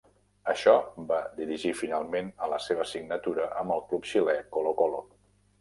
Això va dirigir finalment a la seva signatura amb el club xilè Colo-Colo.